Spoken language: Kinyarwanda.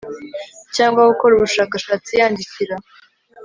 cyangwa gukora ubushakashatsi yandikira